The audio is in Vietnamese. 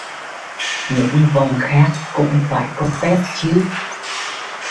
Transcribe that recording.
Những vong khác cũng phải có phép chứ